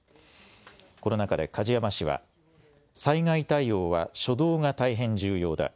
この中で梶山氏は災害対応は初動が大変重要だ。